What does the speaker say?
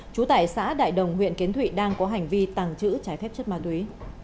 chú tải xã đại đồng huyện kiến thụy đang có hành vi tàng trữ trái phép chất ma túy